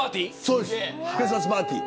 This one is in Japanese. クリスマスパーティー。